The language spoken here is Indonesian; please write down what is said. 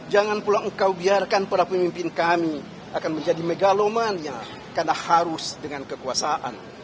jangan pula engkau biarkan para pemimpin kami akan menjadi megalomannya karena harus dengan kekuasaan